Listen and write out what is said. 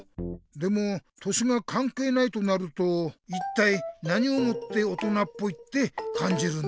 でも年がかんけいないとなると一体何をもって「大人っぽい」ってかんじるんだろうね？